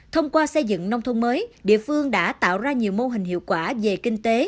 thông qua xây dựng nông thôn mới địa phương đã tạo ra nhiều mô hình hiệu quả về kinh tế